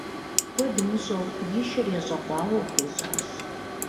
Куэд мыщӏэу и шыр ещӏэкъуауэу хуежьащ.